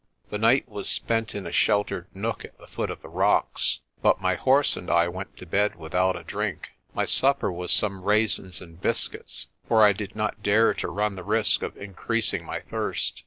The night was spent in a sheltered nook at the foot of the rocks, but my horse and I went to bed without a drink. My supper was some raisins and biscuits, for I did not dare to run the risk of increasing my thirst.